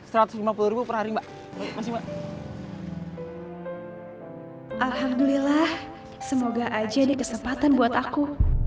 hai alhamdulillah semoga aja dikesempatan buat aku